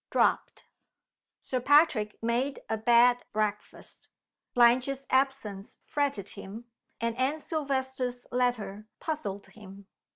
DROPPED. SIR PATRICK made a bad breakfast. Blanche's absence fretted him, and Anne Silvester's letter puzzled him.